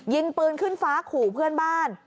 ยิงปืนขึ้นฟ้าขู่เพื่อนบ้าน